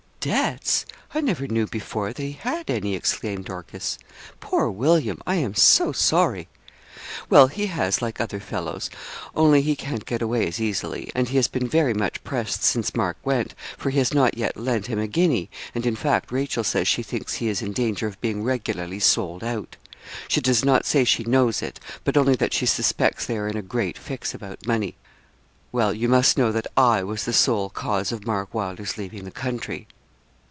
'Debts! I never knew before that he had any,' exclaimed Dorcas. 'Poor William! I am so sorry.' 'Well, he has, like other fellows, only he can't get away as easily, and he has been very much pressed since Mark went, for he has not yet lent him a guinea, and in fact Rachel says she thinks he is in danger of being regularly sold out. She does not say she knows it, but only that she suspects they are in a great fix about money.' 'Well, you must know that I was the sole cause of Mark Wylder's leaving the country.'